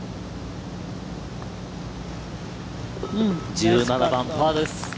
１７番、パーです。